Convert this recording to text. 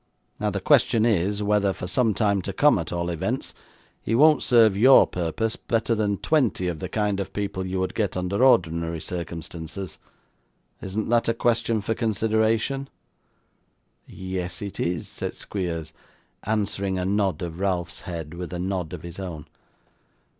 Now, the question is, whether, for some time to come at all events, he won't serve your purpose better than twenty of the kind of people you would get under ordinary circumstances. Isn't that a question for consideration?' 'Yes, it is,' said Squeers, answering a nod of Ralph's head with a nod of his own.